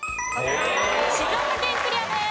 静岡県クリアです。